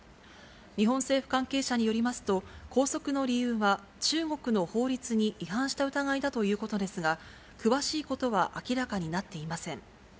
日本政府関係者によりますと、拘束の理由は中国の法律に違反した疑いだということですが、詳しいことは明らかになっていません。